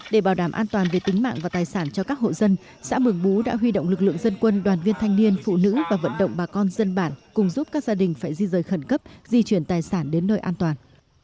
để bảo đảm an toàn về tính mạng và tài sản cho các hộ dân xã mường bú đã huy động lực lượng dân quân đoàn viên thanh niên phụ nữ và vận động bà con dân bản cùng giúp các gia đình phải di rời khẩn cấp di chuyển tài sản đến nơi an toàn